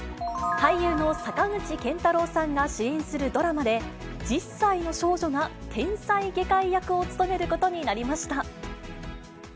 俳優の坂口健太郎さんが主演するドラマで、１０歳の少女が天才外科医役を務めることになりました。